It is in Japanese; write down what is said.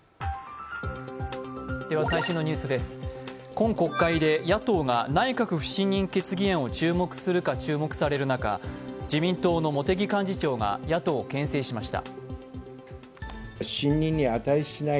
今国会で野党が内閣不信任決議案を提出するか注目される中、自民党の茂木幹事長が野党をけん制しました。